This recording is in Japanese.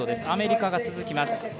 アメリカが続きます。